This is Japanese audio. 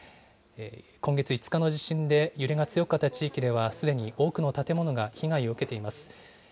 今月５日の地震で揺れが強かった地域では、すでに多くの建物が被害を受けています。